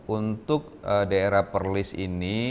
untuk daerah perlis ini